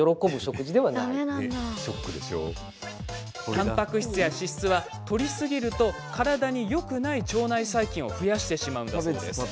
たんぱく質や脂質はとりすぎると体によくない腸内細菌を増やしてしまうんです。